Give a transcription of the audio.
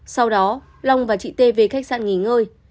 sau đó long và chị t về khách sạn nghỉ ngơi